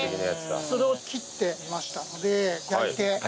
それを切ってみましたので。